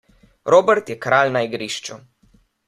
Robert je kralj na igrišču.